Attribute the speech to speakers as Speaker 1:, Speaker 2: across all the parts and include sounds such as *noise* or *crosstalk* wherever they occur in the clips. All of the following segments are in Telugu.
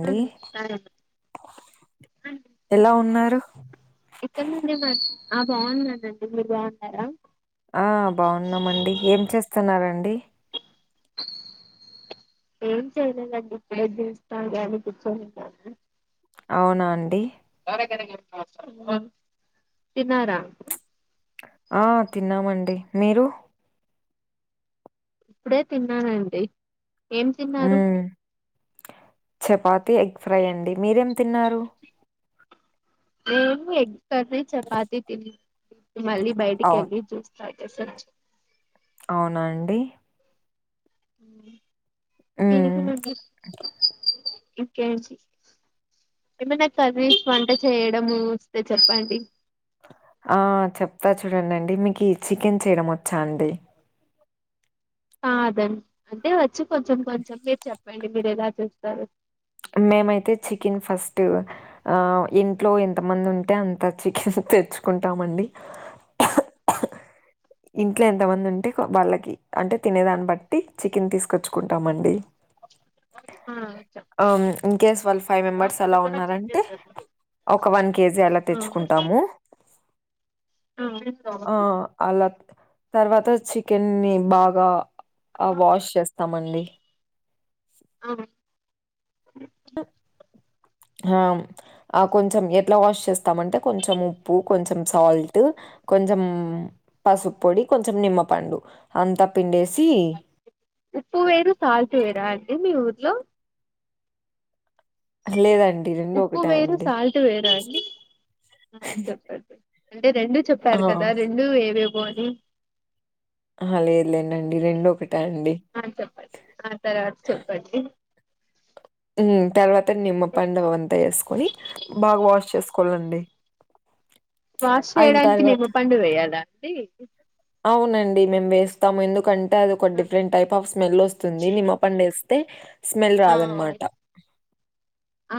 Speaker 1: హ
Speaker 2: అండి
Speaker 1: సరే అండి
Speaker 2: ఎలా ఉన్నారు
Speaker 1: ఇక్కడ నుండి మా ఆ బాగున్నానండి మీరు బాగున్నారా
Speaker 2: ఆ బాగున్నామండి ఏం చేస్తున్నండి
Speaker 1: ఏం చేయలేదండి జ్యూస్ కాని కూర్చొని కానీ
Speaker 2: అవునా అండి
Speaker 1: తినారా
Speaker 2: ఆ తిన్నామండి మీరు
Speaker 1: ఇప్పుడే తిన్నానండి ఏం తిన్నారు
Speaker 2: మ్మ్ చపాతి ఎగ్ ఫ్రై అండి మీరేం తిన్నారు
Speaker 1: ఎమ్లె ఎగ్ కర్రీ చపాతి తి మళ్ళీ బయటికి వెళ్ళి జ్యూస్ *unintelligible*
Speaker 2: అవునండి
Speaker 1: *unintelligible*
Speaker 2: మ్మ్
Speaker 1: ఏమైనా కర్రీస్ వంట చేయడము వస్తే చెప్పండి
Speaker 2: ఆ చెప్తా చూడండిండి మీకు చికెన్ చేయడం వచ్చా అండి
Speaker 1: అదండి అంటే వచ్చి కొంచెం కొంచెం మీరు చెప్పండి మీరు ఎలా చేస్తారు
Speaker 2: మేమైతే చికెన్ ఫస్ట్ ఆ ఇంట్లో ఎంతమంది ఉంటే అంత చికెన్ తెచ్చుకుంటామండి ఇంట్లో ఎంత మంది ఉంటే వాళ్ళకి అంటే తినేదాన్ని బట్టి చికెన్ తీసుకొచ్చుకుంటామ అండి
Speaker 1: ఆ
Speaker 2: ఆ ఇన్కేస్ వాళ్ళు ఫైవ్ మెంబర్స్
Speaker 1: దాంట్లో
Speaker 2: అలా
Speaker 1: డిఫరెన్స్
Speaker 2: ఉన్నారంటే
Speaker 1: క్రియేట్ చేస్తుంది
Speaker 2: ఒక వన్ కేజీ అలా తెచ్చుకుంటాము
Speaker 1: ఆ
Speaker 2: ఆ అలా తర్వాత చికెన్ని ని బాగా ఆ వాష్ చేస్తామండి ఆ ఆ కొంచెం ఎట్లా వాష్ చేస్తామంటే కొంచెం ఉప్పు కొంచెం సాల్ట్ కొంచెం పసుపు పొడి కొంచెం నిమ్మపండు అంతా పిండేసి
Speaker 1: ఉప్పు వేరు సాల్ట్ వేరా అండి మీ ఊర్లో
Speaker 2: లేదండి
Speaker 1: ఉప్పు
Speaker 2: ఒకటే
Speaker 1: వేరు
Speaker 2: అండి.
Speaker 1: సాల్ట్ వేర అండి ఆ చెప్పండి అంటే రెండు
Speaker 2: ఆ!
Speaker 1: చెప్పారు కదా రెండు ఏవేవో అని
Speaker 2: ఆ లేదులేనండి రెండు ఒకట అండి
Speaker 1: ఆ చెప్పండి ఆ తర్వాత చెప్పండి
Speaker 2: తర్వాత నిమ్మ పండు అంతా వేసుకొని బాగా వాష్ చేసుకు కొళండి
Speaker 1: వాష్ చేయడానికి నిమ్మ పండు వేయాలా అండి
Speaker 2: అవునండి మేము వేస్తాము ఎందుకంటే అది ఒక డిఫరెంట్ టైప్ ఆఫ్ స్మెల్ వస్తుంది నిమ్మ పండు ఎస్ *unintelligible* స్మెల్ రాదనమాట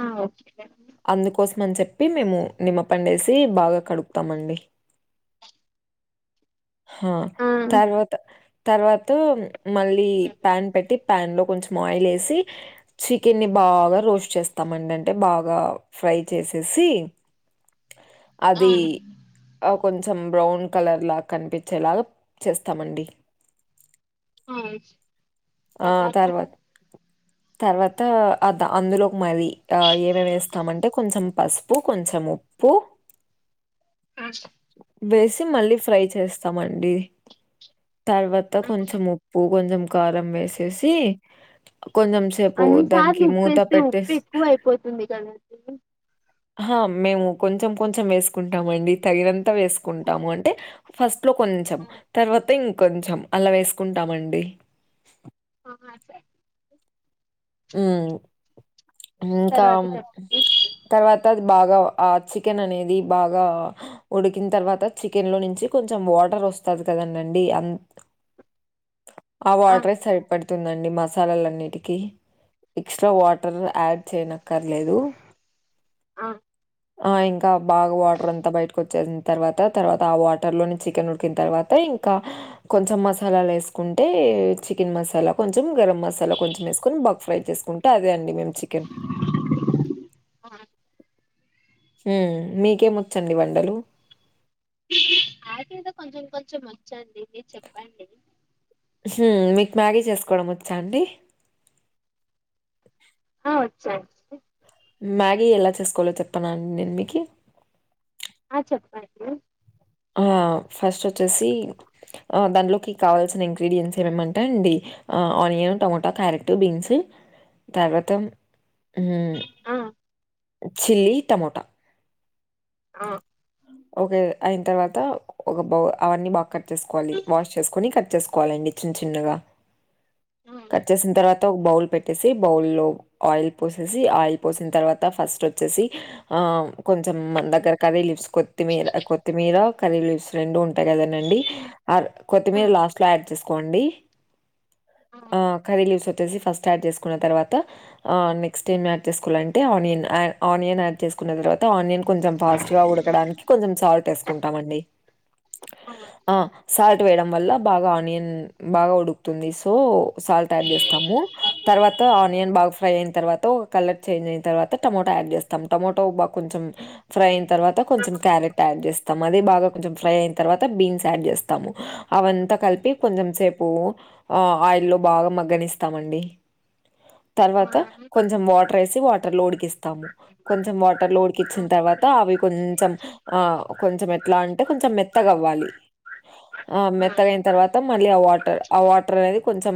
Speaker 1: ఆఓకే
Speaker 2: అందుకోసం అని చెప్ ప్పి మేము నిమ్మ పండు ఏసి బాగా కడుపుతామండి ఆ తర్వాత తర్వాత మళ్ళీ ప్యాన్ పెట్టి ప్యాన్ లో కొంచెం ఆయిల్ వేసి చికెన్ని ని బాగా రోస్ట్ చేస్తామండి అంటే బాగా ఆ ఫ్రై చేసేసి
Speaker 1: ఆ
Speaker 2: అది ఆ కొంచెం బ్రౌన్ కలర్ లా కనిపించేలాగా చేస్తామండి
Speaker 1: ఆ తర్వాత
Speaker 2: తర్వాత అదా అందులోకి మరి ఏమేమి స్తామంటే కొంచం పసుపు కొంచం ఉప్పు
Speaker 1: అ
Speaker 2: వేసి మళ్ళీ ఫ్రై చేస్తామండి తర్వాత కొంచెం ఉప్పు కొంచెం కారం వేసేసి కొంచం సేపు
Speaker 1: అన్ని
Speaker 2: దానికి
Speaker 1: సార్లు ఉప్పు
Speaker 2: మూత
Speaker 1: వేస్తే ఉప్పు
Speaker 2: పెట్టేస్
Speaker 1: ఎక్కువ అయిపోతుంది
Speaker 2: మేము కొంచెం కొంచెం వేసుకుంటామండి తగినంత వేసుకుంటాము అంటే ఫస్ట్ లో కొంచెం
Speaker 1: కదండి
Speaker 2: తర్వాత ఇంకొంచెం అలా వేసుకుంటామండి
Speaker 1: ఆా సార్
Speaker 2: ఉ ఇంకా
Speaker 1: తర్వాత చెప్పండి
Speaker 2: తర్వాత బాగా ఆ చికెన్ అనేది బాగా ఉడికిన తర్వాత చికెన్ లో నుంచి కొంచెం వాటర్ వస్తాది కదందండి ఆ వాటరే సరిపడుతుందండి మసాలాలన్నిటికీ ఎక్స్ట్రా వాటర్ యాడ్ చేయనక్కర్లేదు
Speaker 1: ఆ
Speaker 2: ఆ ఇంకా బాగా వాటర్ అంతా బయటకు వచ్చేసిన తర్వాత తర్వాత ఆ వాటర్ లోని చికెన్ ఉడికిన తర్వాత ఇంకా కొంచెం మసాలాలు వేసుకుంటే చికెన్ మసాలా కొంచెం గరం మసాలా కొంచెం వేసుకొని బ ఫ్రై చేసుకుంటే అదే అండి మేము చికెన్
Speaker 1: ఆ
Speaker 2: హ్మ్ మీకేమొచ్చండి వండలు
Speaker 1: ఆటీద కొంచెం కొంచెం వచ్చండి మీరు చెప్పండి
Speaker 2: హ్మ్ మీకు మ్యాగీ చేసుకోవడం వచ్చా అండి
Speaker 1: ఆ వచ్చు
Speaker 2: మ్యాగీ ఎలా చేసుకోవాలో చెప్పనా అండి నేను మీకు
Speaker 1: ఆ చెప్పండి
Speaker 2: ఆ ఆ ఫస్ట్ వచ్చేసి దాట్లోకి కావలసినా ఇంగ్రేడియంట్స్ ఏమంటే అండి నియన్ టమాట క్యారెట్ బీన్స్ తర్వాత హ్మ్
Speaker 1: ఆ
Speaker 2: చిల్లీ టమోటా
Speaker 1: ఆ
Speaker 2: ఒక అయిన తర్వాత ఒక బ అవన్నీ బాగా కట్ చేసుకోవాలి వాష్ చేసుకోని కట్ చేసుకోవాలండి చిన్ చిన్నగా
Speaker 1: ఆ
Speaker 2: కట్ చేసిన తర్వాత ఒక బౌల్ పెట్ సి బౌల్ లో ఆయిల్ పోసేసి ఆయిల్ పోసిన తరువాత ఫస్ట్ వచ్చేసి ఆ కో స దగ్గర కర్రీలిప్స్ కొత్తిమీర కొత్తిమీర కర్రీ లిప్స్ రెండు ఉంటాయి కదానండి ఆ
Speaker 1: ఆ ఆ
Speaker 2: కొత్తిమీర లాస్ట్ లో యాడ్ కో అండి ఆ కర్రీ లీవ్స్ చేసి ఫస్ట్ యాడ్ చేసుకున తర్వాత నెక్స్ట్ ఏం యాడ్ చేసుకోవాలి అంటే ఆనియన్ యాడ్ ఆనియన్ యాడ్ తవా ఆనియన్ కొంచం ఫాస్టుగా దానికి కొంచం సాల్ట్ వేసుకుంటాం అండి ఆ సాల్ట్ సాల్ట్ వేయడం వల్ల బాగా ఆనియన్ బాగా ఉడుకుతుంది సో సాల్ట్ యాడ్ చేస్తాము తరువాట్ తో ఆనియన్ బాగా ఫ్రై అయిన తర్వాత ఒక కలర్ చేంజ్ అయిన తర్వాత టొమాటా యాడ్ చేస్తాం టొమాటో బాగా కొంచెం ఫ్రై అయిన తర్వాత కొంచం కారెట్ యాడ్ చేస్తా స్తాం అది బాగా కొంచెం ఫ్రై అయిన తర్వాత బీన్స్ యాడ్ చేస్తాము అవంతా కలిపి కొంచెం సేపు ఆ ఆయిల్లో బాగా మగ్గనిస్తామండి
Speaker 1: ఆ
Speaker 2: తర్వాత కొంచెం వాటర్ వేసి వాటర్ లో ఉడికిస్తాము కుంచం వాటర్ లో
Speaker 1: ఆ
Speaker 2: ఉడికించిన తరువాత అవి కున్ కొంచెం ఆ కొంచెం ఎట్లా అంటే కొంచెం మెత్తగా అవ్వాలి ఆ మెత్తగైన తర్వాత మళ్ళీ ఆ వాటర్ ఆ వాటర్ అనేది కొంచెం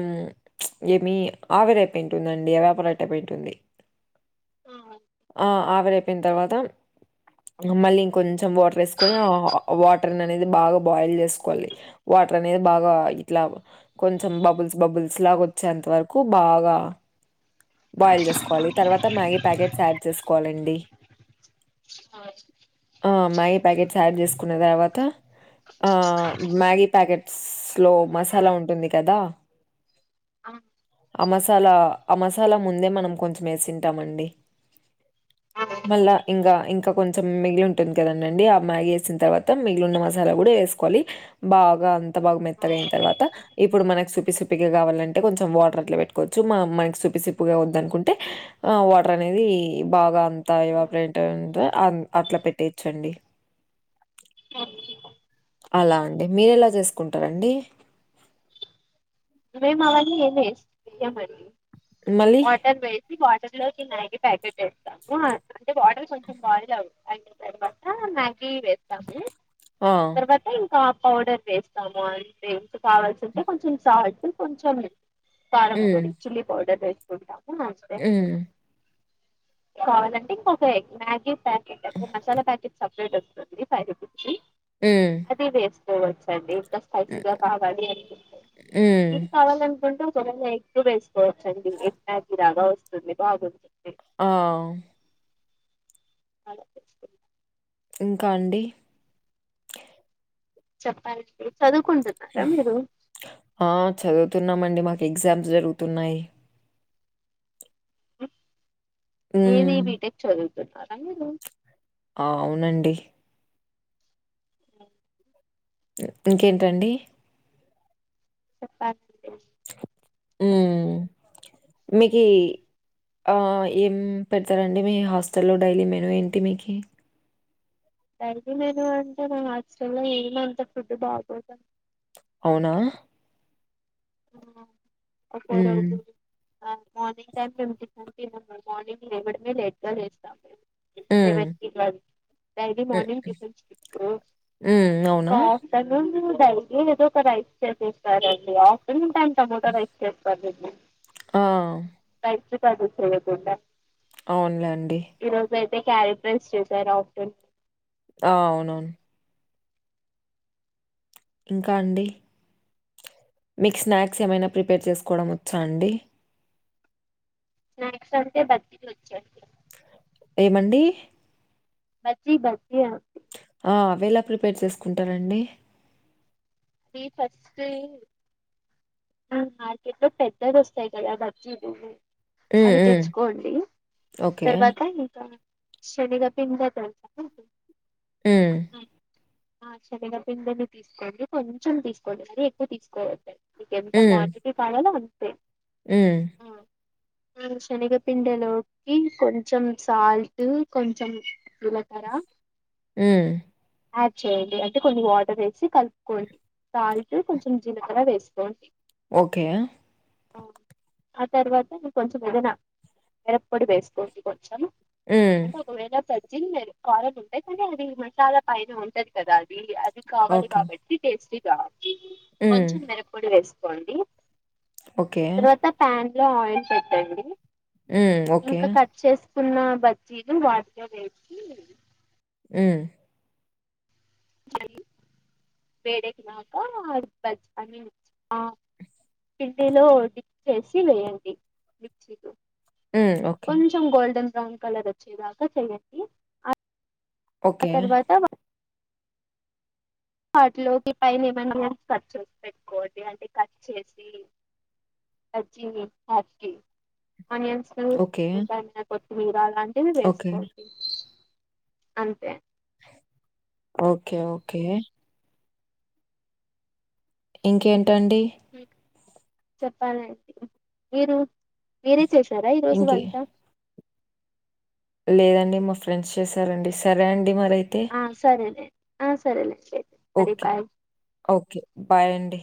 Speaker 2: ఏమి ఆవిరేపుయింటుందండి వ్యాపారట్టేపుయింటుంది ఆ ఆవిరైపోయిన తర్వాత మళ్ళీ ఇంకొంచెం వాటర్ వేసుకొని వాటర్ అనేది బాగా బాయిల్ చేసుకోవాలి వాటర్ అనేది బాగా ఇట్లా కొంచెం బబుల్స్ బబుల్స్ లాగా వచ్చేంత వరకు బాగా బాయిల్ చేసుకోవాలి తర్వాత మ్యాగీ ప్యాకెట్స్ యాడ్ చేసుకోవాలండి
Speaker 1: హ్మ్
Speaker 2: ఆ మ్యాగ ప్యాకెట్స్ యాడ్ చేసుకున్న తర్వాత ఆ మ్యాగీ ప్యాకెట్స్ లో మసాలా ఉంటుంది కదా
Speaker 1: ఆ.
Speaker 2: ఆ మసాలా ఆ మసాలా ముందే మనం కొంచెం వేసింటామండి మళ్ళా ఇంకా ఇంకా కొంచం చెం మిగిలి ఉంటుంది కదండండి ఆ మ్యాగీ వేసిన తర్వాత మిగిలిన్న మసాలా కూడా వేసుకోవాలి బాగా త్త బాగ మెత్తగయిన తర్వాత ఇప్పుడు మనకు సపిగా కావాలంటే కొంచెం వాటర్ అట్లా పెట్టుకోచ్చు మ మనకి సూపి సగా వద్దదు అనుంటే ఆ వాటర్ అనే అనేది బాగా అంది తాయివాపు ఏంట ఉందో అ అట్లా పెట్టేచ్చండి
Speaker 1: హా
Speaker 2: అలా అండి మీర ఎలా చేసుకుంటారండి
Speaker 1: మామ్ అవన్నీ ఏ మరి
Speaker 2: మళ్ళీ
Speaker 1: వాటర్ వేసి వాట లోకి మ్యాగీ ప్యాకెట్ వేస్తాము అంటే వాటర్ కొంచెం బాయిల్ అవ అయిన తర్వాత మ్యాగి గీ వేస్తాము
Speaker 2: ఆ!
Speaker 1: తర్వాత ఇంకా పౌడర్ వేస్తాము అంతే కావాల్సింటే కొంచెం సాల్ట్ కొంచెం కారంపొడి చిల్లీ పౌడర్ వేసుకుంటా
Speaker 2: మ్మ్
Speaker 1: కావాలంటే ఇంకొక ఎగ్ మ్యాగీ ప్యాకెట్ అ మసాలా ప్యాకెట్స్ అవ్ వస్తుంది ఫైవ్ రూపీస్కి
Speaker 2: హ్మ్.
Speaker 1: అది వేసుకోవచ్చండి
Speaker 2: హ్మ్.
Speaker 1: స్పైసిగా కావాలి
Speaker 2: హ్మ్.
Speaker 1: అనిపిస్తది కావాల అకుంటు చ ఎక్తు వేసుకోవచ్చండి ఎకి లాగా వస్తుంది బాగుంది
Speaker 2: ఆ
Speaker 1: అలా
Speaker 2: ఇంకా అండి
Speaker 1: చప్పాల అండి
Speaker 2: ఆ చదువుతున్నామండి మాకు ఎగ్జామ్స్ జరుగుతున్నాయి
Speaker 1: ఏది
Speaker 2: హ్మ్.
Speaker 1: బిటెక్ చదుతున్నారా
Speaker 2: ఆ అవునండి
Speaker 1: అ *unintelligible*
Speaker 2: ఇంకేంటండీ
Speaker 1: చెప్పాలండి
Speaker 2: ఊ మికీ ఆ ఏం పెడతారండి మీ హాస్టల్లో డైలీ మెనుూ ఏంటి మీకి
Speaker 1: అయితే నేను అంటే మా హాస్టల్లో ఏమంత ఫుడ్ బాగోదండి
Speaker 2: అవునా
Speaker 1: అప్పు
Speaker 2: హ్మ్.
Speaker 1: *inaudible* మార్నింగ్ టైమ్ మార్నింగ్ లేవడమే లేట్ గా చేస్తాముము
Speaker 2: హ్మ్.
Speaker 1: సెవెంత కి ట్వల్త్ డైలీ
Speaker 2: హ్మ్.
Speaker 1: మార్నింగ్ టిఫన్స్
Speaker 2: హ్మ్. అవునా?
Speaker 1: కాఫ్టలూ *inaudible* దడై ఏదో ఒక రైస్ చేసేస్తారంండి ఆఫ్టర్నోన్ టైమ్ టమోటా రైస్ చేస్తారండి
Speaker 2: ఆ
Speaker 1: *unintelligible* ఎ సతుడా
Speaker 2: అవునులేండి
Speaker 1: క్యారెక్టర్స్ చేసారు ఆప్టన్
Speaker 2: ఆ అవునవును ఇంకా అండి మీకు స్నాక్స్ ఏమైనా ప్రిపేర్ చేసుకోవడం వచ్చా అండి
Speaker 1: స్నాక్స్ అంటే బజ్జీలు వచ్చండి
Speaker 2: ఏమండి
Speaker 1: బజ్జి బజ్జీ
Speaker 2: ఆ అవెలా ప్రిపేర్ చేసుకుంటారండి
Speaker 1: అదది ఫస్ట్ మార్కెట్లో పెద్దది వస్తాయి కద బీలు
Speaker 2: హ్మ్.
Speaker 1: అవి
Speaker 2: హ్మ్.
Speaker 1: తెచ్చుకోండి
Speaker 2: ఓకే.
Speaker 1: తర్వాత ఇకా శనిగా పిండిల తడుపుకుంటూ
Speaker 2: మ్
Speaker 1: ఆ శనగపిండిని తీసుకోండి కొంచెం తీసుకోండి మరీ ఎక్కువ తీసుకోవద్దడి నీకెంత క్వాంటిటీ కావాలో అంత్
Speaker 2: మ్
Speaker 1: శనగపింండెలోకి కొంచెం సాల్ట్ కొంచెం జీలకర
Speaker 2: మ్
Speaker 1: యాడ్ చేయండి అంటే కొన్ని వాటర్ వేసి కలుపుకోండి తాల్ట్ కొంచెం జీలకర్ర వేసుకోండి.
Speaker 2: ఓకే
Speaker 1: ఆ తర్వాత నను కొంచెం ఏదైనా విర పొడి వేసుకోండి కొంచెం.
Speaker 2: హ్మ్.
Speaker 1: అంటే ఒకవేళ త్చ్చి మ కరలు ఉంటాయి కానీ అది మసాలా పైన ఉంటది కదా అది అది కావాలి
Speaker 2: ఓకే.
Speaker 1: కాబట్టి టేస్టీ గా
Speaker 2: హ్మ్.
Speaker 1: కొంచెం మిరప్పోడి వేసు కోండి
Speaker 2: ఓకే.
Speaker 1: తర్వాత ప్యాన్ లో ఆయిల్ పెట్టండి.
Speaker 2: హ్మ్ ఓకే
Speaker 1: కున్న బజ్జీలు వాటితోని ఏంపీ
Speaker 2: హ్మ్
Speaker 1: వేడిక్కి నాక అన్నీ బజ్ అన్నీ పిండిలో డిప్ చేసి వేయండి.
Speaker 2: హ్మ్. ఓకే.
Speaker 1: కొంచెం గోల్డెన్ బ్రౌన్ కలర్ వచ్చేదాకా చేయ్యండి. అప్
Speaker 2: ఓకే
Speaker 1: వాటిలోకి పైన ఏమన్నా కట్ చేసి పెట్టుకోండి అంటే కట్ చేసి వచ్చింది హాఫ్ కీ ఆనియన్స్లు
Speaker 2: ఓకే.
Speaker 1: ఇంకామెనా కొత్తిమీర అలాంటివి
Speaker 2: ఓకే.
Speaker 1: వేసుకోండి. అంతే
Speaker 2: ఓకే ఓకే ఇంకేంటండీ
Speaker 1: చెప్పాలండి మీరు మీరే చేసారా ఈ రోజు
Speaker 2: ఇంకే
Speaker 1: వంట
Speaker 2: లేదండి మా ఫ్రెండ్స్ చేశారండి సరే అండి మరైతే.
Speaker 1: ఆ సరేలే ఆ సరే సర్ అరే
Speaker 2: ఓకే.
Speaker 1: Bye
Speaker 2: okay. బాయ్ అండి.